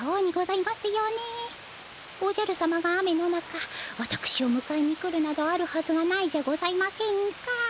おじゃる様が雨の中わたくしをむかえに来るなどあるはずがないじゃございませんか。